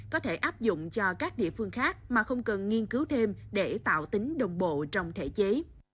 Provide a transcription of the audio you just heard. có thể áp dụng cho các địa phương khác mà không cần nghiên cứu thêm để tạo tính đồng bộ trong thể chế